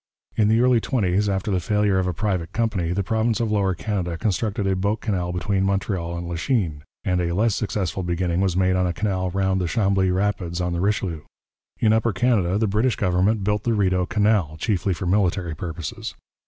In the early twenties, after the failure of a private company, the province of Lower Canada constructed a boat canal between Montreal and Lachine, and a less successful beginning was made on a canal round the Chambly rapids on the Richelieu. In Upper Canada the British government built the Rideau Canal, chiefly for military purposes.